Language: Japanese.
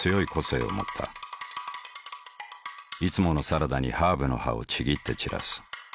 いつものサラダにハーブの葉をちぎって散らす。